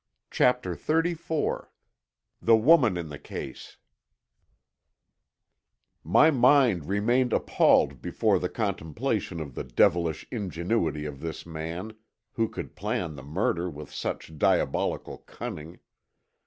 CHAPTER XXXIV THE WOMAN IN THE CASE My mind remained appalled before the contemplation of the devilish ingenuity of this man, who could plan the murder with such diabolical cunning.